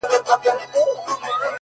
دا هم له تا جار دی. اې وطنه زوروره.